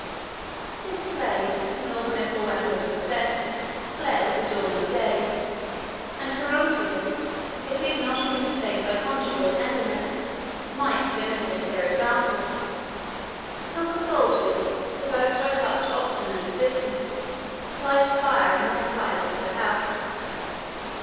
His slaves when all the missile weapons were spent, fled at the dawn of day; and Gerontius, if he had not been restrained by conjugal tenderness, might have imitated their example; till the soldiers, provoked by such obstinate resistance, applied fire on all sides to the house.